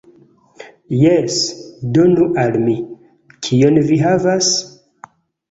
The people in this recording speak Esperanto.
"Jes, donu al mi. Kion vi havas?"